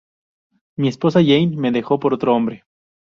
Mi esposa Jane me dejó por otro hombre.